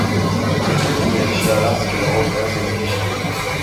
Bir sürü eşya rastgele ortaya serilmişti.